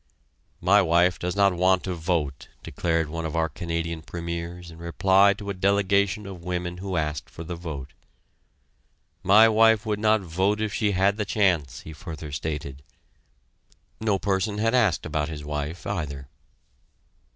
"My wife does not want to vote," declared one of our Canadian premiers in reply to a delegation of women who asked for the vote. "My wife would not vote if she had the chance," he further stated. No person had asked about his wife, either.